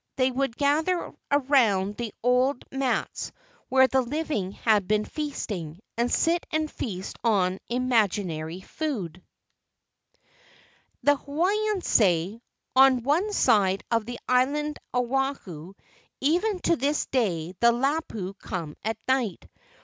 They would gather around the old mats where the living had been feasting, and sit and feast on imaginary food. 248 DESCRIPTION The Hawaiians say: "On one side of the island Oahu, even to this day the lapu come at night.